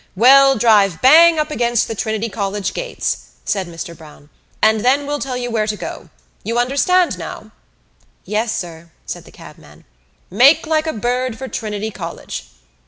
"Well, drive bang up against Trinity College gates," said Mr Browne, "and then we'll tell you where to go. You understand now?" "Yes, sir," said the cabman. "Make like a bird for Trinity College."